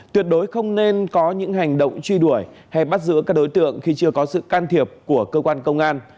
tuyệt đối không nên có những hành động truy đuổi hay bắt giữ các đối tượng khi chưa có sự can thiệp của cơ quan công an